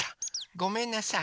ごめんなさい。